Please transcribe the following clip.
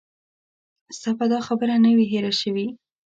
ستا به دا خبره نه وي هېره شوې.